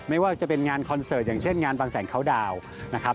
ไม่ว่าจะเป็นงานคอนเสิร์ตอย่างเช่นงานบางแสนเขาดาวนะครับ